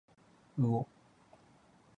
うお